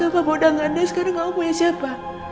kamu udah nggak ada sekarang kamu punya siapa